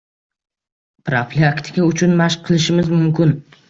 Profilaktika uchun mashq qilishimiz mumkin.